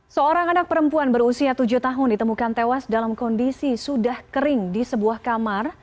seorang anak perempuan berusia tujuh tahun ditemukan tewas dalam kondisi sudah kering di sebuah kamar